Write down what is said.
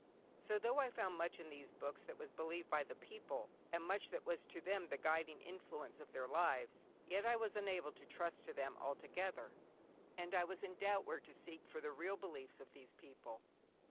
So though I found much in these books that was believed by the people, and much that was to them the guiding influence of their lives, yet I was unable to trust to them altogether, and I was in doubt where to seek for the real beliefs of these people.